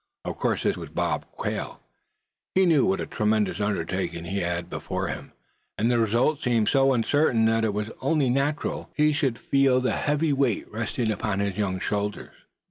Of course this was Bob Quail. He knew what a tremendous undertaking he had before him, and the results seemed so uncertain that it was only natural he should feel the heavy weight resting upon his young shoulders.